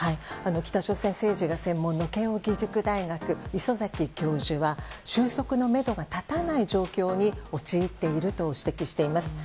北朝鮮政治が専門の慶應義塾大学礒崎教授は収束のめどが立たない状況に陥っていると指摘しています。